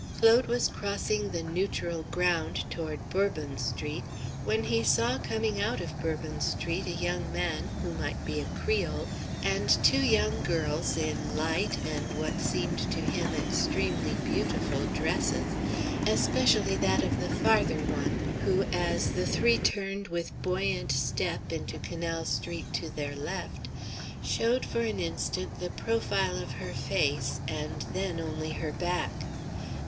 Claude was crossing the "neutral ground" toward Bourbon Street, when he saw coming out of Bourbon Street a young man, who might be a Creole, and two young girls in light, and what seemed to him extremely beautiful dresses; especially that of the farther one, who, as the three turned with buoyant step into Canal Street to their left, showed for an instant the profile of her face, and then only her back.